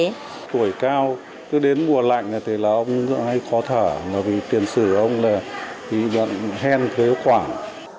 tuổi cao cứ đến mùa lạnh thì ông hay khó thở vì tiền xử ông là bị đoạn hen khế quảng